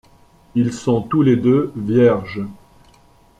Ils sont tous les deux vierges.